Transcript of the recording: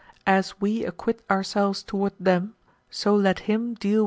As we acquit ourselves toward them, so let Him deal with us."